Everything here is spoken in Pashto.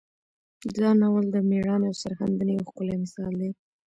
دا ناول د میړانې او سرښندنې یو ښکلی مثال دی.